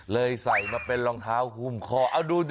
ใส่มาเป็นรองเท้าหุ้มคอเอาดูดิ